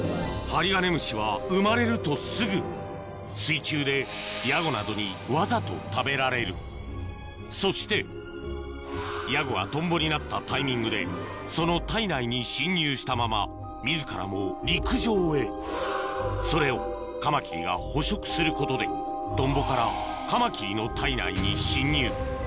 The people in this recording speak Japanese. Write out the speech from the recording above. ハリガネムシは生まれるとすぐ水中でヤゴなどにわざと食べられるそしてヤゴがトンボになったタイミングでその体内に侵入したまま自らも陸上へそれをカマキリが捕食することでトンボからカマキリの体内に侵入